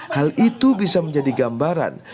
hal itu bisa menjadi gambaran